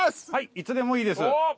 いつでもいいです。